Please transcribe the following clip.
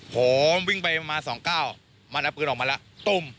ผมวิ่งไปประมาณ๒๙มันเอาปืนออกมาแล้วตุ้ม